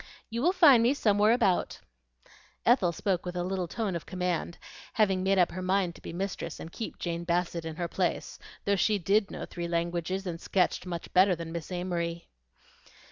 You will find me somewhere round." Ethel spoke with a little tone of command, having made up her mind to be mistress and keep Jane Bassett in her place, though she did know three languages and sketched much better than Miss Amory.